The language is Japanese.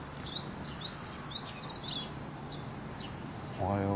おはよう。